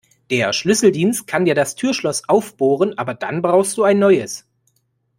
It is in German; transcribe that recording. Der Schlüsseldienst kann dir das Türschloss aufbohren, aber dann brauchst du ein neues.